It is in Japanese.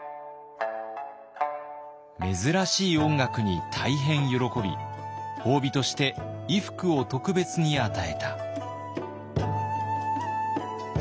珍しい音楽に大変喜び褒美として衣服を特別に与えた。